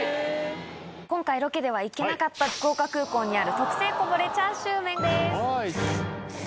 今回ロケでは行けなかった福岡空港にある特製こぼれチャーシュー麺です。